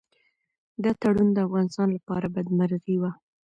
دا تړون د افغانستان لپاره بدمرغي وه.